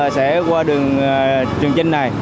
sẽ qua đường trường trinh này